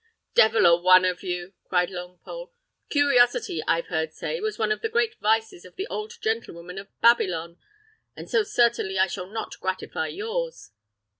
"Devil a one of you!" cried Longpole. "Curiosity, I've heard say, was one of the great vices of the old gentlewoman of Babylon, and so certainly I shall not gratify yours.